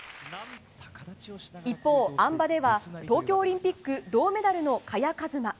一方、あん馬では東京オリンピック銅メダルの萱和磨。